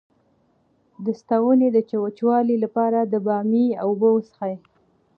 د ستوني د وچوالي لپاره د بامیې اوبه وڅښئ